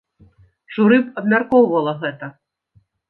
Журы б абмяркоўвала гэта.